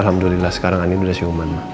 alhamdulillah sekarang andin sudah siuman